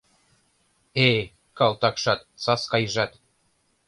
— Э, калтакшат, Саскайжат